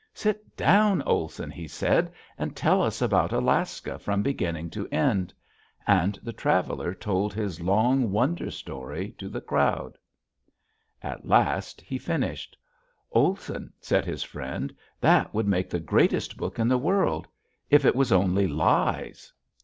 "Sit down, Olson," he said, "and tell us about Alaska from beginning to end." And the traveler told his long wonder story to the crowd. [Illustration: THE SLEEPER] At last he finished. "Olson," said his friend, "that would make the greatest book in the world if it was only lies."